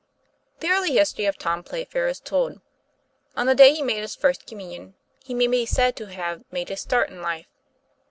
r PHE early history of Tom Playfair is told. On 1 the day he made his First Communion, he may be said to have "made his start" in life.